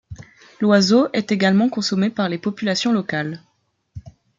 L'oiseau est également consommé par les populations locales.